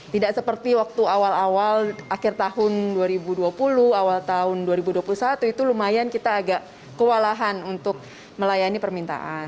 tidak seperti waktu awal awal akhir tahun dua ribu dua puluh awal tahun dua ribu dua puluh satu itu lumayan kita agak kewalahan untuk melayani permintaan